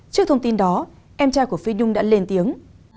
trước thông tin đó em trai của phi nhung đã lên tiếng